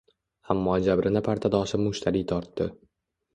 Ammo jabrini partadoshim Mushtariy tortdi.